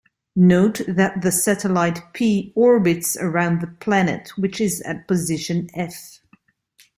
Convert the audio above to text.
Note that the satellite "P" orbits around the planet which is at position "F".